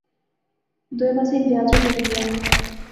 دوہے پاسے امتیاز وی ٹری گیا